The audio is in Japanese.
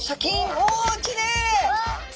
おきれい！